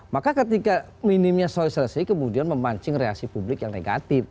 maka ketika minimnya sosialisasi kemudian memancing reaksi publik yang negatif